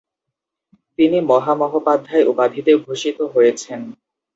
তিনি ‘মহামহোপাধ্যায়’ উপাধিতে ভূষিত হয়েছেন।